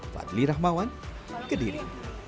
fadli rahmawan kediri